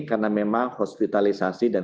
karena memang hospitalisasi dan